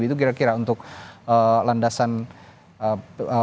itu kira kira untuk landasan